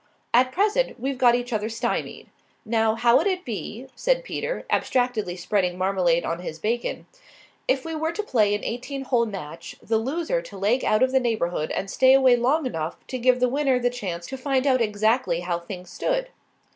At present we've got each other stymied. Now, how would it be," said Peter, abstractedly spreading marmalade on his bacon, "if we were to play an eighteen hole match, the loser to leg out of the neighbourhood and stay away long enough to give the winner the chance to find out exactly how things stood?"